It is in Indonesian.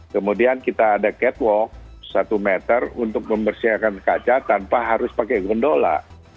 kemudian kita ada catwalk satu meter untuk membersihkan kaca tanpa harus pakai gondola